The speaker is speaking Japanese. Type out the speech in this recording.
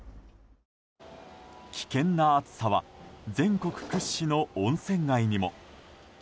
危険な暑さは全国屈指の温泉街にも。